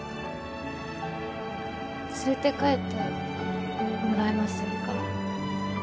連れて帰ってもらえませんか？